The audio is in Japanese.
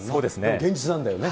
現実なんだよね。